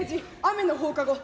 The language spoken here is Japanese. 雨の放課後。